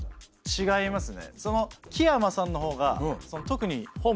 違いますね。